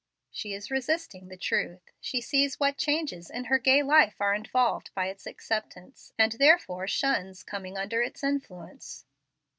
"She is resisting the truth. She sees what changes in her gay life are involved by its acceptance; and therefore shuns coming under its influence."